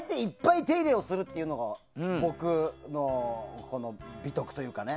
いっぱい履いて、いっぱい手入れをするというのが僕の美徳というかね。